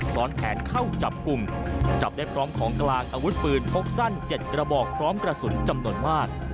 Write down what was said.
ซ้อนแผนเข้าจับกลุ่มจับได้พร้อมของกลางอาวุธปืนพกสั้น๗กระบอกพร้อมกระสุนจำนวนมาก